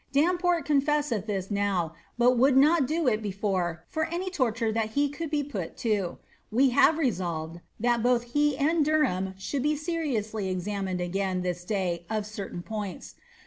^ Damport confesseth this now, but would not do it before for any torture tliat he could be put to ; we have resolved, that both he and Derham shall be seriously examined again this day of certain points.